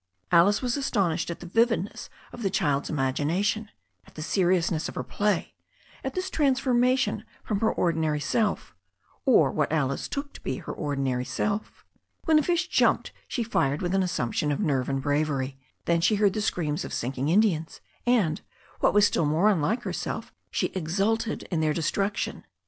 Alice was astonished at the vividness of the child's imag ination, at the seriousness of her play, at this transformation from her ordinary self, or what Alice took to be her ordi nary self. When a fish jumped she fired with an assumption of nerve and bravery, then she heard the screams of sinking Indians, and, what was still more unlike herself, she exulted in their destructicm.